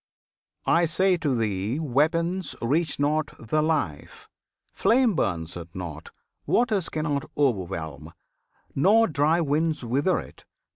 I say to thee weapons reach not the Life; Flame burns it not, waters cannot o'erwhelm, Nor dry winds wither it.